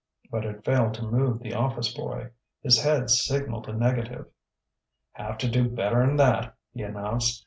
But it failed to move the office boy. His head signalled a negative. "Havta do better'n that," he announced.